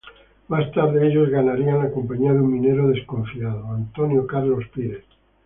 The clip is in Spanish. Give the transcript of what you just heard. Más tarde, ellos ganarían la compañía de un minero desconfiado, Antônio Carlos Pires.